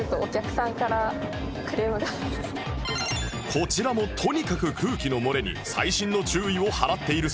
こちらもとにかく空気の漏れに細心の注意を払っているそう